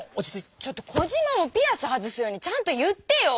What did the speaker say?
ちょっとコジマもピアス外すようにちゃんと言ってよ！